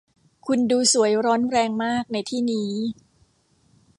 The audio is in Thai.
คุณดูสวยร้อนแรงมากในที่นี้